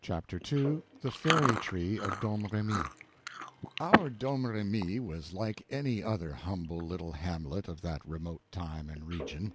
Chapter 2 The Fairy Tree of Domremy OUR DOMREMY was like any other humble little hamlet of that remote time and region.